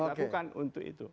langkah yang dilakukan untuk itu